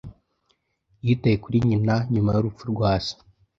Yitaye kuri nyina nyuma y'urupfu rwa se.